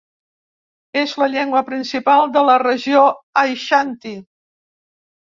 És la llengua principal de la regió Aixanti.